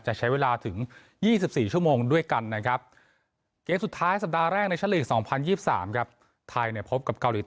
จะใช้เวลาถึง๒๔ชั่วโมงด้วยกันนะครับ